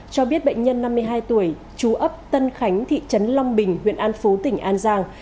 cho biết bệnh nhân năm mươi hai tuổi chú ấp tân khánh thị trấn long bình huyện an phú tỉnh an giang